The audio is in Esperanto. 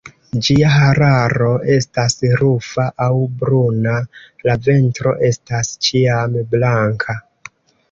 Ĝia hararo estas rufa aŭ bruna; la ventro estas ĉiam blanka.